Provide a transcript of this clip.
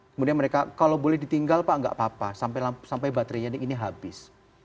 kemudian mereka kalau boleh ditinggal pak nggak apa apa sampai baterainya ini habis